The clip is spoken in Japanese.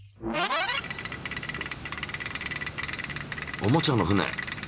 おもちゃの船。